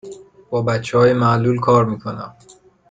با بچه های معلول کار می کنم.